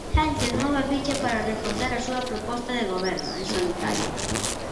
Sánchez move ficha para reforzar a súa proposta de goberno en solitario.